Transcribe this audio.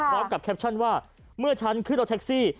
พร้อมกับแคปชั่นว่าเมื่อฉันขึ้นรถแท็กซี่